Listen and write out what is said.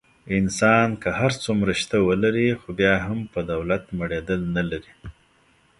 انسان که هر څومره شته ولري. خو بیا هم په دولت مړېدل نه لري.